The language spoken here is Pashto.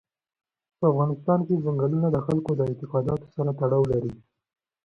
په افغانستان کې ځنګلونه د خلکو د اعتقاداتو سره تړاو لري.